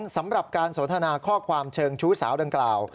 สำหรับการสนทนาข้อความเชิงชู้สาวดังกล่าว